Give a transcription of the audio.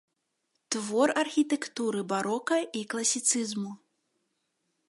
Твор архітэктуры барока і класіцызму.